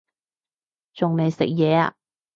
仲未食嘢呀